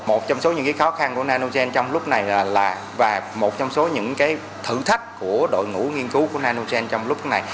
một trong số những khó khăn của nanogen trong lúc này và một trong số những thử thách của đội ngũ nghiên cứu của nanogen trong lúc này